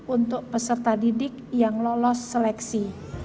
untuk peserta didik yang lolos seleksi